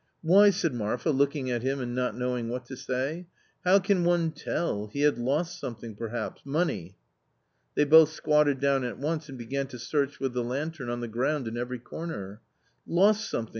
" Why 1 " said Marfa looking at him and not knowing what to say, "how can one tell, he had lost something, perhaps — money." They both squatted down at once and began to search with the lantern on the ground in every corner. " Lost something !